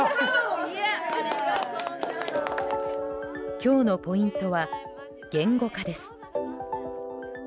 今日のポイントは言語化です。